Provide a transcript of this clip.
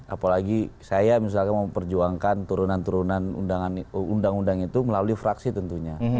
apalagi saya misalnya mau perjuangkan turunan turunan undang undang itu melalui fraksi tentunya